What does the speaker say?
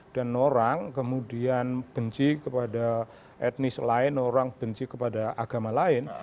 dan orang kemudian benci kepada etnis lain orang benci kepada agama lain